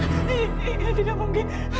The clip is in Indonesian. tidak tidak mungkin